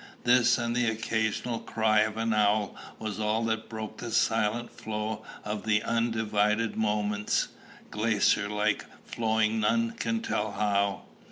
This and the occasional cry of an owl was all that broke the silent flow of the undivided moments, glacier like flowing none can tell how.